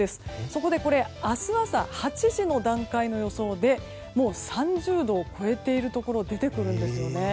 そこで明日の朝８時の段階の予想でもう３０度を超えているところが出てくるんですね。